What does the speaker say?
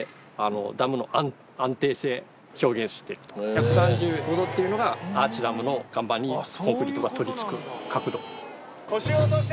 １３５度っていうのがアーチダムの岩盤にコンクリートが取り付く角度。